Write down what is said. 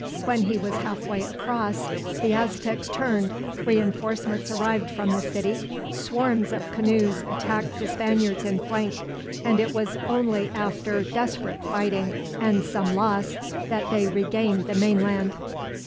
When he was halfway across the Aztecs turned, reinforcements arrived from the city, swarms of canoes attacked the Spaniards in flank; and it was only after desperate fighting, and some loss, that they regained the mainland.